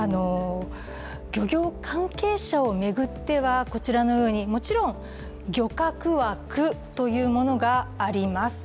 漁業関係者を巡っては、こちらのように、もちろん漁獲枠というものがあります。